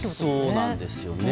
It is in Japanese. そうなんですよね。